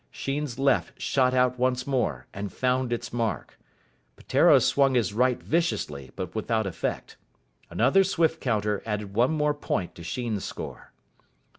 Sheen's left shot out once more, and found its mark. Peteiro swung his right viciously, but without effect. Another swift counter added one more point to Sheen's score.